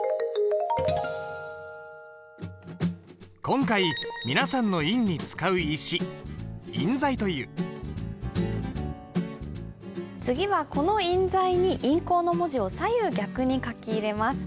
今回皆さんの印に使う石次はこの印材に印稿の文字を左右逆に書き入れます。